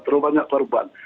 terlalu banyak korban